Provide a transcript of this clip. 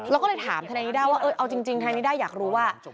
เราก็เลยถามทนายนิด้าว่าเอาจริงทนายนิด้าอยากรู้ว่า